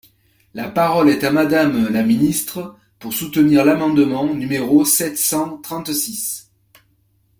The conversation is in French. La parole est à Madame la ministre, pour soutenir l’amendement numéro sept cent trente-six.